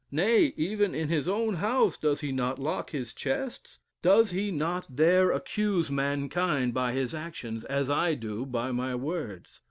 Nay, even in his own house, does he not lock his chests? Does he not there accuse mankind by his action, as I do by my words?"